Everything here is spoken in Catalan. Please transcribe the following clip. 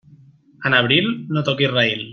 En abril, no toquis raïl.